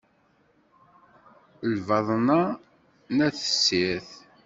Lbaḍna n at tessirt.